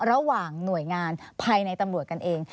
ระหว่างหน่วยงานภายในตำรวจกันเอง